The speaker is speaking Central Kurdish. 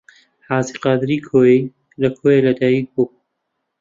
حاجی قادری کۆیی لە کۆیە لەدایک بوو.